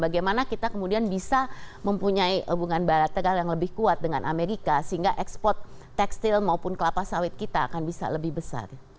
bagaimana kita kemudian bisa mempunyai hubungan barat tegal yang lebih kuat dengan amerika sehingga ekspor tekstil maupun kelapa sawit kita akan bisa lebih besar